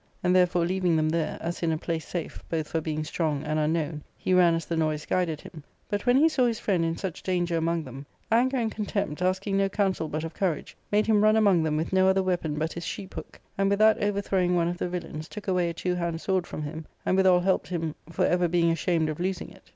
And therefore leaving them there, as in a place safe, both for being strong and un known, he ran as the noise guided him. But when he saw his friend in such danger among them, anger and contempt, asking no counsel but of courage, made him run among them with no other weapon but his sheephook, and with that over throwing one of the villains, took away a two hand sword from him, and withal helped him for ever being ashamed of losing it.